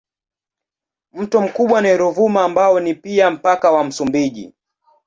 Mto mkubwa ni Ruvuma ambao ni pia mpaka wa Msumbiji.